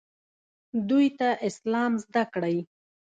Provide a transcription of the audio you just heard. دوی ته اسلام زده کړئ